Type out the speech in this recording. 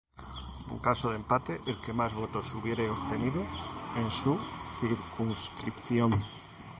En caso de empate, el que más votos hubiere obtenido en su circunscripción.